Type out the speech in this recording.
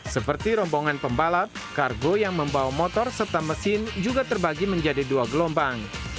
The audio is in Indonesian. seperti rombongan pembalap kargo yang membawa motor serta mesin juga terbagi menjadi dua gelombang